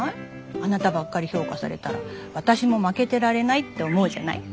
あなたばっかり評価されたら私も負けてられないって思うじゃない？